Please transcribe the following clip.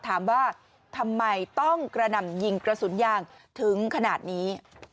ถามว่าทำไมต้องกระหน่ำยิงกระสุนยางถึงขนาดนี้